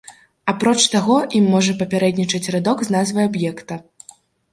Апроч таго, ім можа папярэднічаць радок з назвай аб'екта.